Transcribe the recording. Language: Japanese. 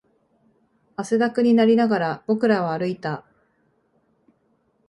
汗だくになりながら、僕らは歩いた